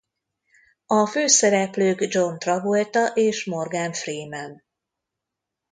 A főszereplők John Travolta és Morgan Freeman.